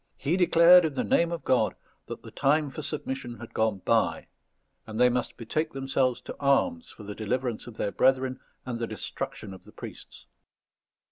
He declared, in the name of God, that the time for submission had gone by, and they must betake themselves to arms for the deliverance of their brethren and the destruction of the priests.